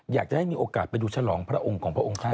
อยากจะให้มีโอกาสไปดูฉลองพระองค์ของพระองค์ท่าน